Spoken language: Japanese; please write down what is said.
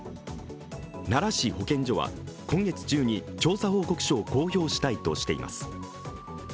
奈良市保健所は今月中に調査報告書を公表したいとしています。